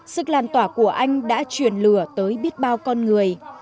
sức làn tỏa của anh đã truyền lửa tới biết bao con người